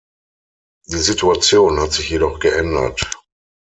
Die Situation hat sich jedoch geändert.